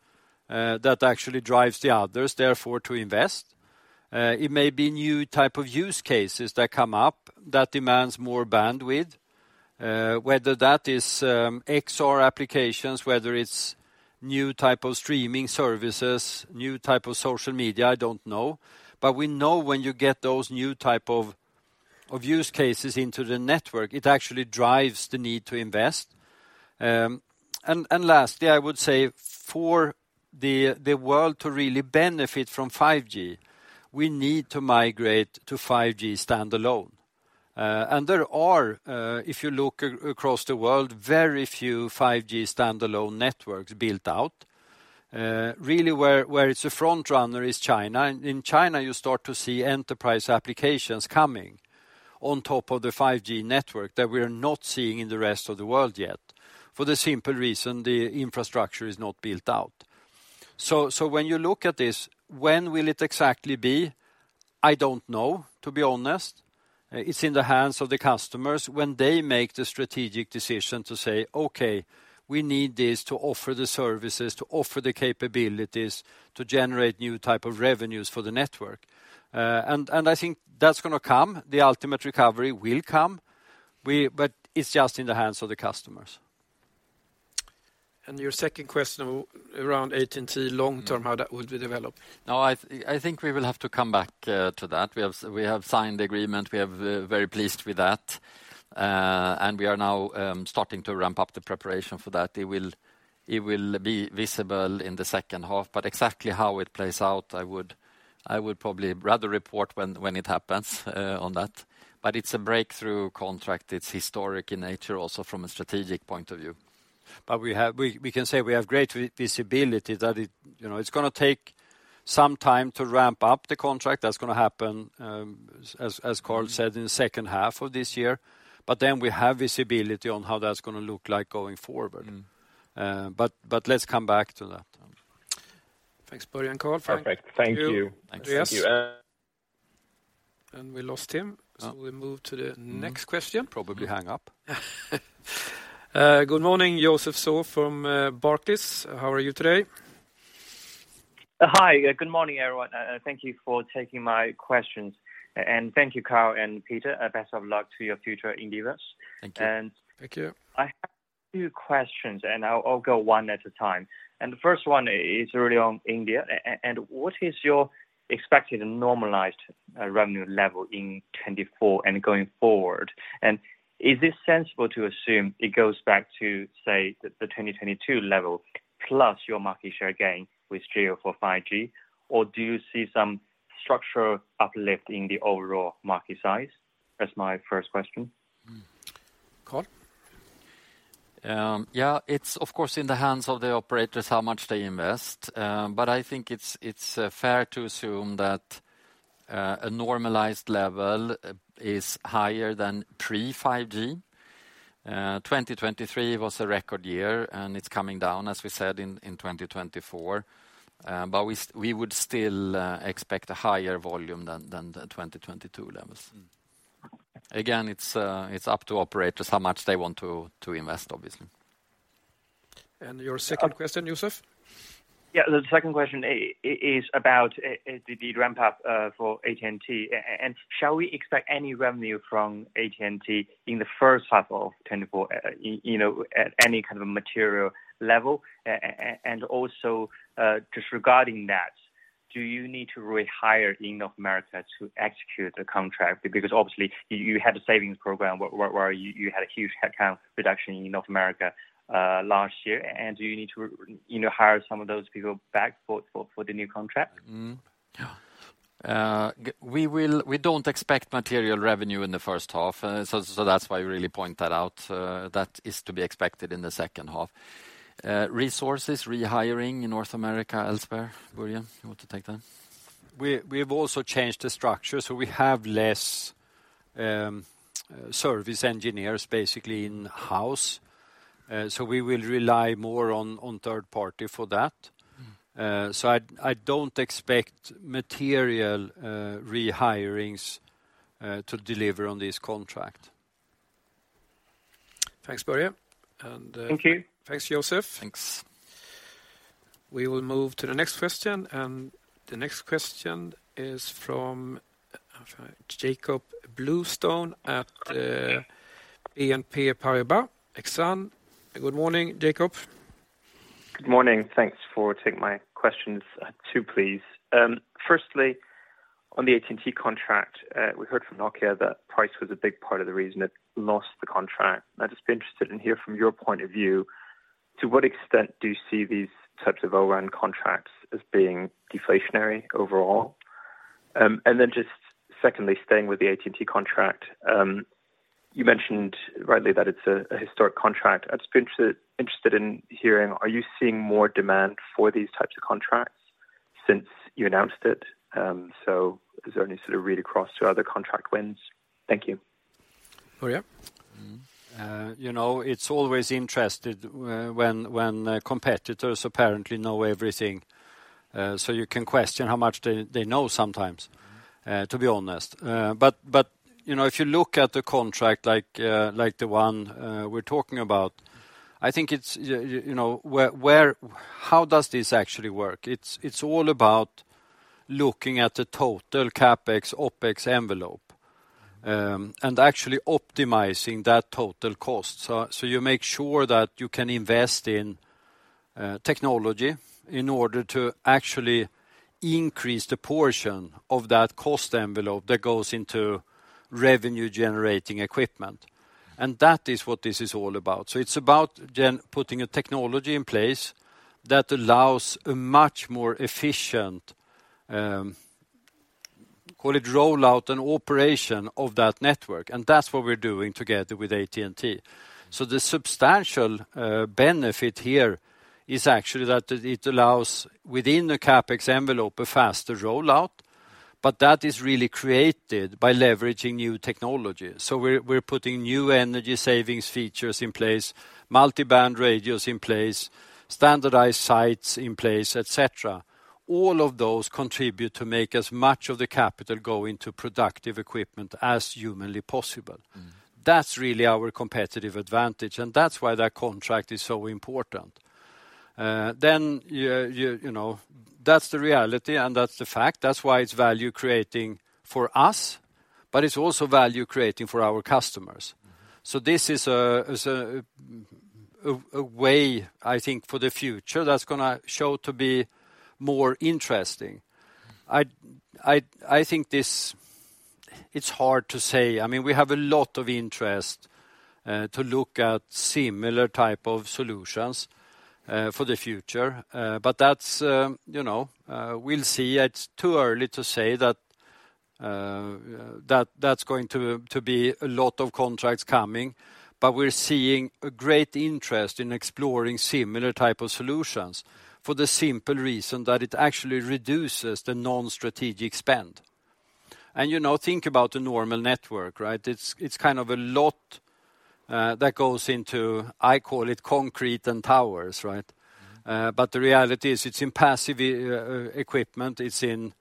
that actually drives the others, therefore, to invest. It may be new type of use cases that come up that demands more bandwidth, whether that is, XR applications, whether it's new type of streaming services, new type of social media, I don't know. But we know when you get those new type of use cases into the network, it actually drives the need to invest. And lastly, I would say for the world to really benefit from 5G, we need to migrate to 5G standalone. And there are, if you look across the world, very few 5G standalone networks built out. Really, where it's a front runner is China. In China, you start to see enterprise applications coming on top of the 5G network that we're not seeing in the rest of the world yet, for the simple reason the infrastructure is not built out. So when you look at this, when will it exactly be? I don't know, to be honest. It's in the hands of the customers. When they make the strategic decision to say: Okay, we need this to offer the services, to offer the capabilities, to generate new type of revenues for the network. And I think that's gonna come, the ultimate recovery will come. But it's just in the hands of the customers. Your second question around AT&T long term, how that would be developed? No, I think we will have to come back to that. We have signed the agreement, we have very pleased with that. And we are now starting to ramp up the preparation for that. It will be visible in the second half, but exactly how it plays out, I would probably rather report when it happens on that. But it's a breakthrough contract. It's historic in nature, also from a strategic point of view. But we can say we have great visibility that, you know, it's gonna take some time to ramp up the contract. That's gonna happen, as Carl said, in the second half of this year. But then we have visibility on how that's gonna look like going forward. Mm. But let's come back to that. Thanks, Börje and Carl. Perfect. Thank you. Andreas? Thank you. We lost him. Oh. We move to the next question. Probably hang up. Good morning, Josef Schachter from Barclays. How are you today?... Hi, good morning, everyone. Thank you for taking my questions, and thank you, Carl and Peter. Best of luck to your future endeavors. Thank you. And- Thank you. I have two questions, and I'll go one at a time. And the first one is really on India. And what is your expected normalized revenue level in 2024 and going forward? And is it sensible to assume it goes back to, say, the 2022 level, plus your market share gain with Jio for 5G, or do you see some structural uplift in the overall market size? That's my first question. Hmm. Carl? Yeah, it's, of course, in the hands of the operators how much they invest. But I think it's fair to assume that a normalized level is higher than pre-5G. 2023 was a record year, and it's coming down, as we said, in 2024. But we would still expect a higher volume than the 2022 levels. Hmm. Again, it's up to operators how much they want to invest, obviously. Your second question, Yusuf? Yeah, the second question is about the ramp up for AT&T. And shall we expect any revenue from AT&T in the first half of 2024, you know, at any kind of a material level? And also, just regarding that, do you need to rehire in North America to execute the contract? Because obviously, you had a savings program where you had a huge headcount reduction in North America last year. And do you need to, you know, hire some of those people back for the new contract? Mm-hmm. Yeah. We will—we don't expect material revenue in the first half, so, so that's why you really point that out. That is to be expected in the second half. Resources, rehiring in North America, elsewhere. Börje, you want to take that? We, we've also changed the structure, so we have less service engineers, basically, in-house. So we will rely more on third party for that. Hmm. So I don't expect material rehirings to deliver on this contract. Thanks, Börje. Thank you. Thanks, Yosef. Thanks. We will move to the next question, and the next question is from Jacob Bluestone at BNP Paribas Exane. Good morning, Jacob. Good morning. Thanks for taking my questions too, please. Firstly, on the AT&T contract, we heard from Nokia that price was a big part of the reason it lost the contract. I'd just be interested to hear from your point of view, to what extent do you see these types of O-RAN contracts as being deflationary overall? And then just secondly, staying with the AT&T contract, you mentioned rightly that it's a historic contract. I'd just be interested in hearing, are you seeing more demand for these types of contracts since you announced it? So is there any sort of read across to other contract wins? Thank you. Börje? Mm-hmm. You know, it's always interesting when competitors apparently know everything, so you can question how much they know sometimes, to be honest. But you know, if you look at the contract like the one we're talking about, I think it's you know, where... How does this actually work? It's all about looking at the total CapEx, OpEx envelope, and actually optimizing that total cost. So you make sure that you can invest in technology in order to actually increase the portion of that cost envelope that goes into revenue-generating equipment. And that is what this is all about. So it's about putting a technology in place that allows a much more efficient, call it, rollout and operation of that network, and that's what we're doing together with AT&T. So the substantial benefit here is actually that it allows, within the CapEx envelope, a faster rollout, but that is really created by leveraging new technology. So we're putting new energy savings features in place, multiband radios in place, standardized sites in place, et cetera. All of those contribute to make as much of the capital go into productive equipment as humanly possible. Mm-hmm. That's really our competitive advantage, and that's why that contract is so important. Then you know, that's the reality, and that's the fact. That's why it's value-creating for us, but it's also value-creating for our customers. Mm-hmm. So this is a way, I think, for the future, that's gonna show to be more interesting. I think it's hard to say. I mean, we have a lot of interest to look at similar type of solutions for the future. But that's, you know, we'll see. It's too early to say that that's going to be a lot of contracts coming, but we're seeing a great interest in exploring similar type of solutions for the simple reason that it actually reduces the non-strategic spend. And, you know, think about the normal network, right? It's kind of a lot that goes into, I call it concrete and towers, right? Mm-hmm. But the reality is it's in passive equipment, it's in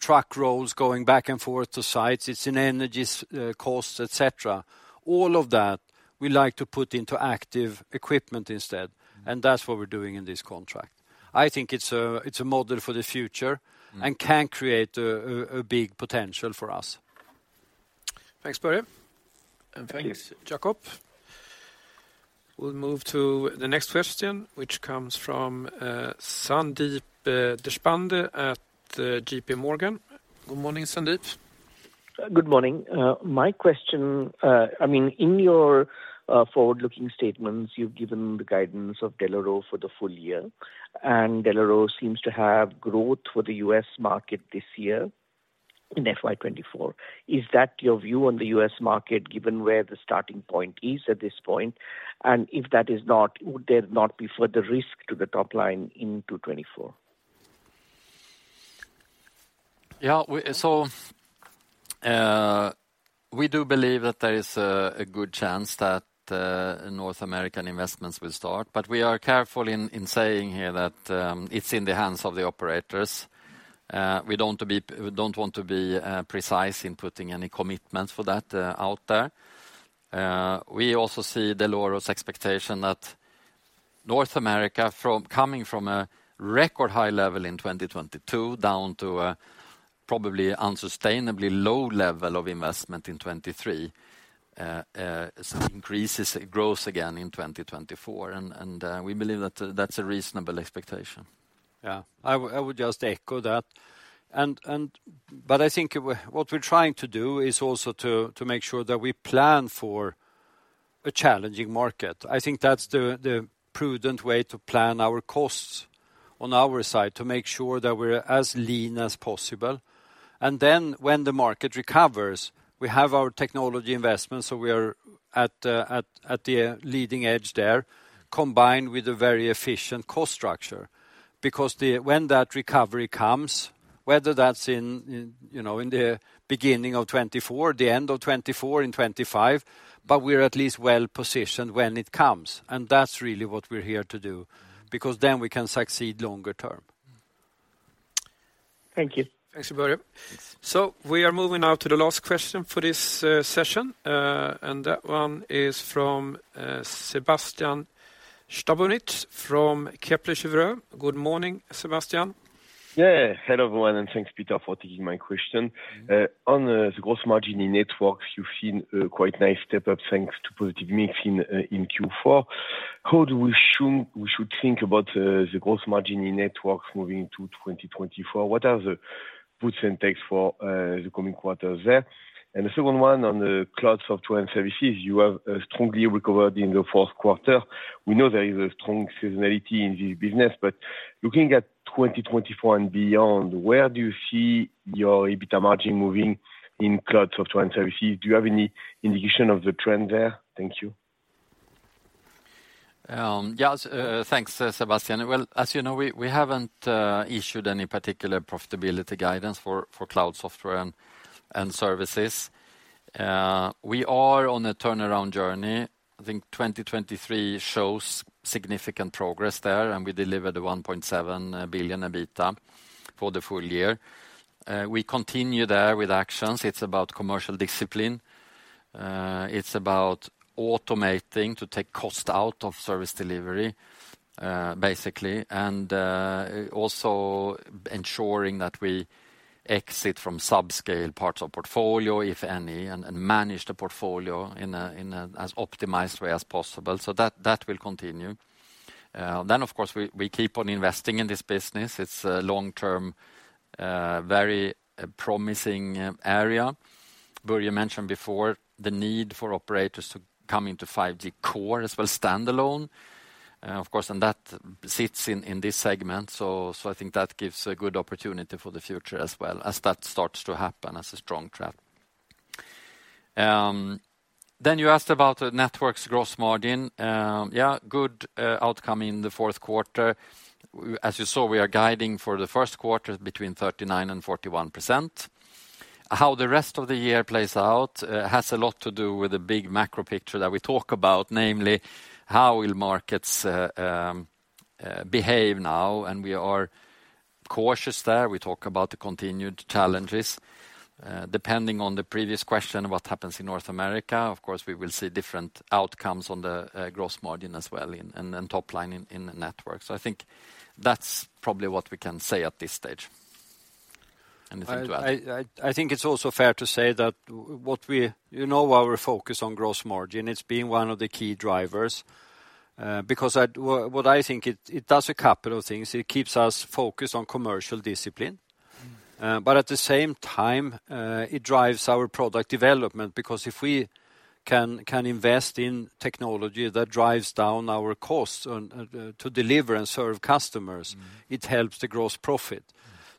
truck rolls going back and forth to sites. It's in energy costs, et cetera. All of that, we like to put into active equipment instead, and that's what we're doing in this contract. I think it's a model for the future- Mm. and can create a big potential for us. Thanks, Börje. And thanks, Jacob. We'll move to the next question, which comes from, Sandip Deshpande at, JP Morgan. Good morning, Sandip. Good morning. My question, I mean, in your forward-looking statements, you've given the guidance of Dell'Oro for the full year, and Dell'Oro seems to have growth for the U.S. market this year, in FY 2024. Is that your view on the U.S. market, given where the starting point is at this point? And if that is not, would there not be further risk to the top line into 2024? Yeah, so we do believe that there is a good chance that North American investments will start. But we are careful in saying here that it's in the hands of the operators. We don't want to be precise in putting any commitments for that out there. We also see Dell'Oro's expectation that North America, coming from a record high level in 2022, down to a probably unsustainably low level of investment in 2023, increases, it grows again in 2024. And we believe that that's a reasonable expectation. Yeah. I would just echo that. But I think what we're trying to do is also to make sure that we plan for a challenging market. I think that's the prudent way to plan our costs on our side, to make sure that we're as lean as possible. And then when the market recovers, we have our technology investments, so we are at the leading edge there, combined with a very efficient cost structure. Because the... When that recovery comes, whether that's in, you know, in the beginning of 2024, the end of 2024, in 2025, but we're at least well positioned when it comes, and that's really what we're here to do, because then we can succeed longer term. Thank you. Thanks, Börje. Thanks. We are moving now to the last question for this session, and that one is from Sebastian Sztabowicz from Kepler Cheuvreux. Good morning, Sebastian. Yeah. Hello, everyone, and thanks, Peter, for taking my question. On the gross margin in networks, you've seen a quite nice step up, thanks to positive mix in Q4. We should think about the gross margin in networks moving into 2024? What are the puts and takes for the coming quarters there? And the second one, on the cloud software and services, you have strongly recovered in the fourth quarter. We know there is a strong seasonality in this business, but looking at 2024 and beyond, where do you see your EBITDA margin moving in cloud software and services? Do you have any indication of the trend there? Thank you. Yes, thanks, Sebastian. Well, as you know, we haven't issued any particular profitability guidance for cloud software and services. We are on a turnaround journey. I think 2023 shows significant progress there, and we delivered 1.7 billion EBITDA for the full year. We continue there with actions. It's about commercial discipline, it's about automating to take cost out of service delivery, basically, and also ensuring that we exit from subscale parts of portfolio, if any, and manage the portfolio in as optimized way as possible. That will continue. Then, of course, we keep on investing in this business. It's a long-term very promising area. Börje mentioned before the need for operators to come into 5G core as well, standalone. Of course, and that sits in, in this segment, so, so I think that gives a good opportunity for the future as well, as that starts to happen as a strong trend. Then you asked about the network's gross margin. Yeah, good outcome in the fourth quarter. As you saw, we are guiding for the first quarter between 39%-41%. How the rest of the year plays out has a lot to do with the big macro picture that we talk about, namely, how will markets behave now, and we are cautious there. We talk about the continued challenges. Depending on the previous question, what happens in North America, of course, we will see different outcomes on the gross margin as well and top line in the network. I think that's probably what we can say at this stage. Anything to add? I think it's also fair to say that what we... You know, our focus on gross margin, it's been one of the key drivers, because what I think it does a couple of things. It keeps us focused on commercial discipline. Mm. But at the same time, it drives our product development, because if we can invest in technology that drives down our costs on to deliver and serve customers- Mm. It helps the gross profit.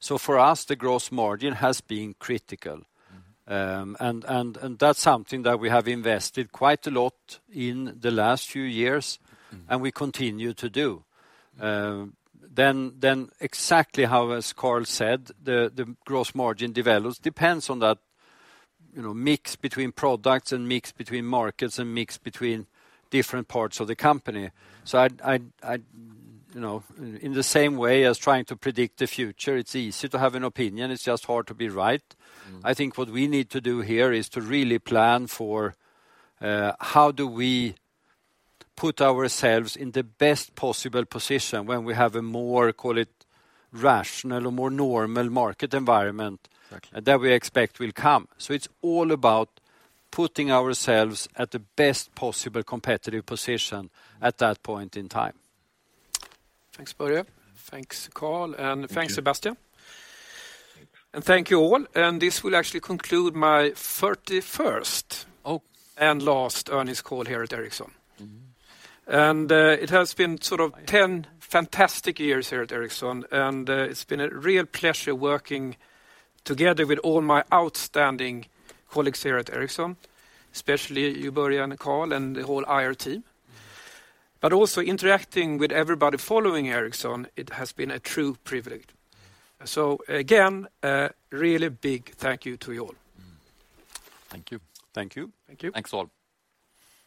Mm. For us, the gross margin has been critical. Mm. That's something that we have invested quite a lot in the last few years- Mm. and we continue to do. Then exactly how, as Carl said, the Gross Margin develops depends on that, you know, mix between products and mix between markets and mix between different parts of the company. So I'd... You know, in the same way as trying to predict the future, it's easy to have an opinion, it's just hard to be right. Mm. I think what we need to do here is to really plan for how do we put ourselves in the best possible position when we have a more, call it, rational or more normal market environment- Exactly... that we expect will come? So it's all about putting ourselves at the best possible competitive position at that point in time. Thanks, Börje. Thanks, Carl- Thank you. And thanks, Sebastian. Thank you. Thank you, all. This will actually conclude my 31st- Oh! and last earnings call here at Ericsson. Mm. And, it has been sort of ten fantastic years here at Ericsson, and, it's been a real pleasure working together with all my outstanding colleagues here at Ericsson, especially you, Börje and Carl, and the whole IR team. Mm. Also interacting with everybody following Ericsson, it has been a true privilege. Mm. So again, a really big thank you to you all. Mm. Thank you. Thank you. Thank you. Thanks, all.